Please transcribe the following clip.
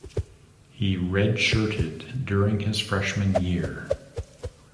He redshirted during his freshman year.